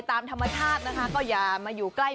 ตามธรรมชาตินะคะก็อย่ามาอยู่ใกล้